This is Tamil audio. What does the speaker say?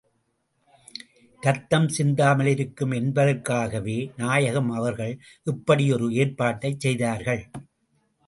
இரத்தம் சிந்தாமலிருக்கும் என்பதற்காகவே நாயகம் அவர்கள் இப்படி ஒரு ஏற்பாட்டைச் செய்தார்கள்.